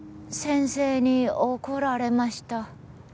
先生に怒られました。